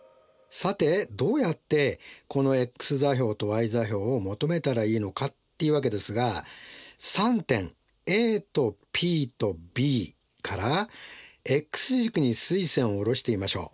さてどうやってこのｘ座標とｙ座標を求めたらいいのかっていうわけですが３点ＡとＰとＢからｘ軸に垂線を下ろしてみましょう。